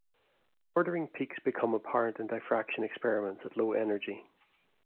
Ordering peaks become apparent in diffraction experiments at low energy.